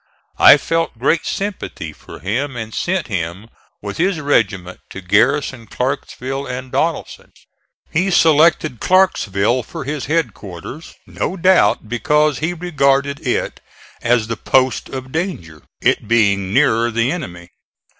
I felt great sympathy for him and sent him, with his regiment, to garrison Clarksville and Donelson. He selected Clarksville for his headquarters, no doubt because he regarded it as the post of danger, it being nearer the enemy.